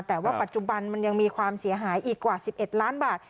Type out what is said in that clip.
แต่ว่าปัจจุบันมันยังมีความเสียหายอีกกว่า๑๑ล้านบาท